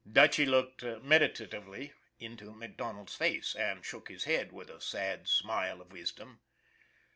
Dutchy looked meditatively into MacDonald's face, and shook his head with a sad smile of wisdom.